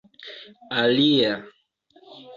alia